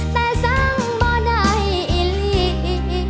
แต่สังบ่ได้อีก